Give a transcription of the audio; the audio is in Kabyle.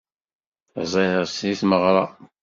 Ẓriɣ-tt deg tmeɣra.